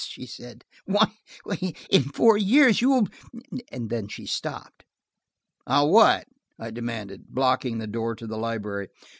she said, "Why, in four years you'll–" then she stopped. "I'll what?" I demanded, blocking the door to the library.